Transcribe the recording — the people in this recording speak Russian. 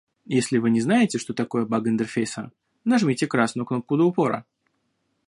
Если вы не знаете, что такое баг интерфейса, нажмите красную кнопку до упора